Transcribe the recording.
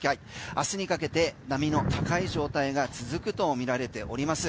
明日にかけて波の高い状態が続くとみられております。